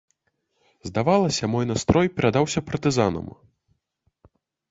Здавалася, мой настрой перадаўся партызанам.